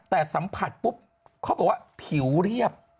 แต่สัมผัสปุ๊บเขาบอกว่าผิวเรียบ